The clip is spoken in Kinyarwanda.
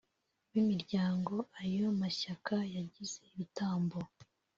b’imiryango ayo mashyaka yagize ibitambo